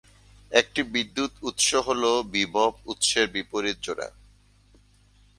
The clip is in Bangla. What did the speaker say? একটি বিদ্যুৎ উৎস হলো বিভব উৎসের বিপরীত জোড়া।